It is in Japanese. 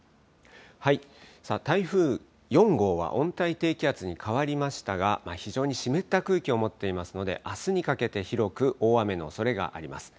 台風４号は温帯低気圧に変わりましたが非常に湿った空気を持っていますのであすにかけて広く大雨のおそれがあります。